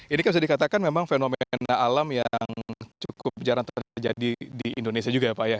ini bisa dikatakan memang fenomena alam yang cukup jarang terjadi di indonesia juga ya pak ya